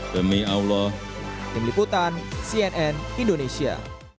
tim liputan cnn indonesia